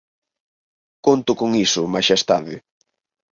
Conto con iso, maxestade.